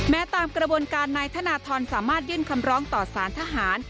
ตามกระบวนการนายธนทรสามารถยื่นคำร้องต่อสารทหาร